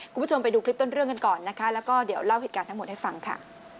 คุณผู้ชมไปดูคลิปต้นเรื่องกันก่อนนะคะแล้วก็เดี๋ยวเล่าเหตุการณ์ทั้งหมดให้ฟังค่ะ